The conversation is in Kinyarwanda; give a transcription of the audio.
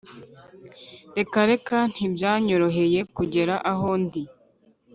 reka reka ntibyanyoroheye kugera aho ndi!